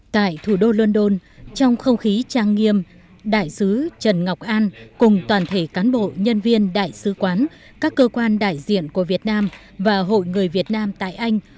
tại thủ đô london trong không khí trang nghiêm đại sứ trần ngọc an cùng toàn thể cán bộ nhân viên đại sứ quán các cơ quan đại diện của việt nam và hội người việt nam tại anh